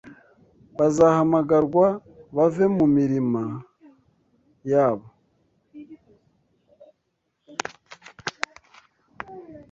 bazahamagarwa bave mu mirima yabo